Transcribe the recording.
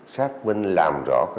xác minh làm rõ